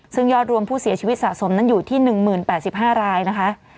ซึ่งยอดรวมผู้เสียชีวิตสะสมนั้นอยู่ที่หนึ่งหมื่นแปดสิบห้ารายนะคะ